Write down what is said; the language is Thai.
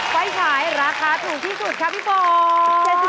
ไฟฉายราคาถูกที่สุดค่ะพี่ฝน